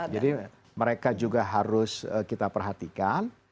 jadi mereka juga harus kita perhatikan